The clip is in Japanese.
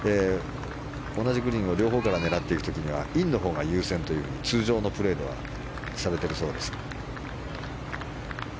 同じグリーンを両方から狙っている時にはインのほうが優先というふうに通常のプレーではされているそうですが。